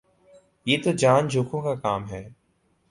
یہ تو جان جوکھوں کا کام ہے